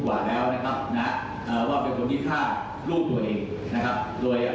กว่าแล้วนะฮะนะฮะเอ่อว่าเป็นพวกนี้ฆ่ากลูกตัวเองนะครับ